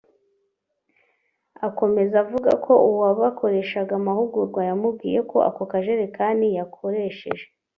Akomeza avuga ko uwabakoreshaga amahugurwa yamubwiye ko ako kajerekani yakoresheje